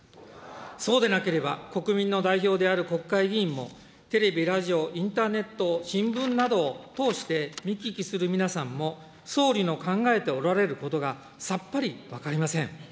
そうでなければ国民の代表である国会議員も、テレビ、ラジオ、インターネット、新聞などを通して見聞きする皆さんも、総理の考えておられることがさっぱり分かりません。